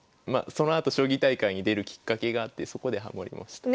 そのあと将棋大会に出るきっかけがあってそこでハマりました。